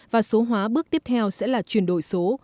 và số hóa bước tiếp theo sẽ là chuyển đổi số